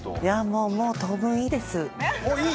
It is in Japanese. もう当分いいです。